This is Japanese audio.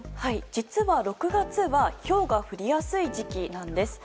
実は６月はひょうが降りやすい時期なんです。